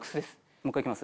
もう１回行きます。